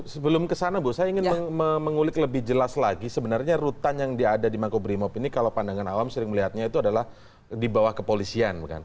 sebelum kesana bu saya ingin mengulik lebih jelas lagi sebenarnya rutan yang ada di makobrimob ini kalau pandangan awam sering melihatnya itu adalah di bawah kepolisian